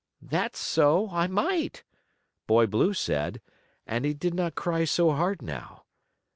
"That's so, I might," Boy Blue said, and he did not cry so hard now.